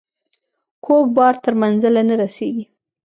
کوږ بار تر منزله نه رسیږي.